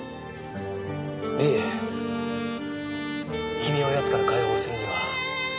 梨絵君を奴から解放するには。